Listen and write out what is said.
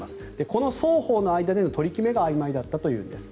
この双方の間での取り決めがあいまいだったということです。